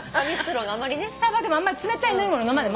スタバでもあんまり冷たい飲み物飲まない。